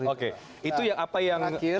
oke itu apa yang